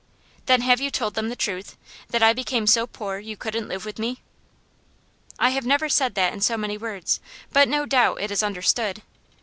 'Then have you told them the truth? That I became so poor you couldn't live with me?' 'I have never said that in so many words, but no doubt it is understood.